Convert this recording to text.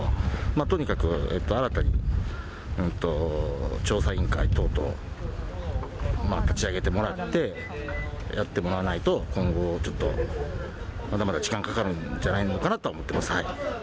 とにかく新たに調査委員会等々立ち上げてもらって、やってもらわないと、今後、ちょっとまだまだ時間かかるんじゃないのかなと思ってます。